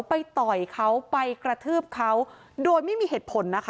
ไปต่อยเขาไปกระทืบเขาโดยไม่มีเหตุผลนะคะ